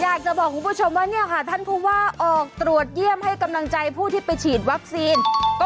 อยากจะบอกของวุชโมนแล้วเนี่ยภาพท่านพูดว่าออกตรวจเยี่ยมให้กำลังใจผู้ที่ไปฉีดฐานประธานาศีนะครับ